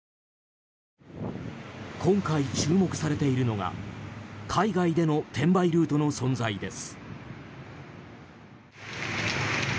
今回注目されているのが海外での転売ルートの存在です。